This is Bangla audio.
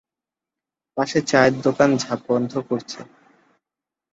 পাশের চায়ের দোকান ঝাঁপ বন্ধ করছে।